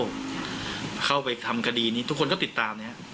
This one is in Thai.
เข้าไปทำคดีนี้ทุกคนก็ติดตามนะครับ